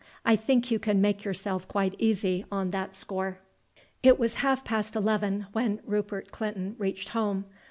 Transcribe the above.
I think you can make yourself quite easy on that score." It was half past eleven when Rupert Clinton reached home.